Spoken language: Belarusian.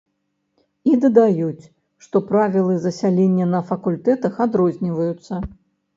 І дадаюць, што правілы засялення на факультэтах адрозніваюцца.